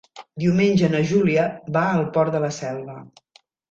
Diumenge na Júlia va al Port de la Selva.